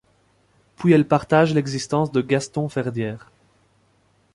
Puis elle partage l'existence de Gaston Ferdière.